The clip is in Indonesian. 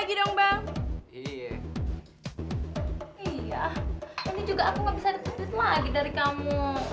iya ini juga aku gak bisa dapet duit lagi dari kamu